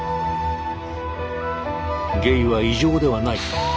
「ゲイは異常ではない」